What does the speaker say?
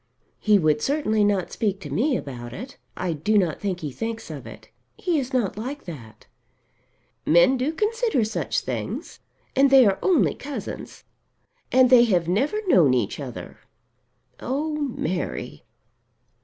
"He would certainly not speak to me about it. I do not think he thinks of it. He is not like that." "Men do consider such things. And they are only cousins; and they have never known each other! Oh, Mary!"